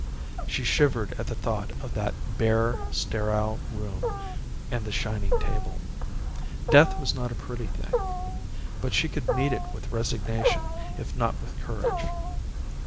She shivered at the thought of that bare sterile room and the shining table. Death was not a pretty thing. But she could meet it with resignation if not with courage.